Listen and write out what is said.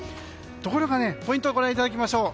ところがね、ポイントをご覧いただきましょう。